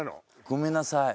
ごめんなさい